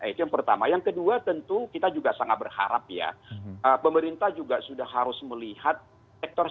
itu yang pertama yang kedua tentu kita juga sangat berharap ya pemerintah juga sudah harus melihat sektor